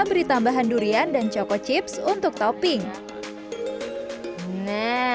beri tambahan durian dan choco chips untuk topping nah ini dia nih setelah masuk topping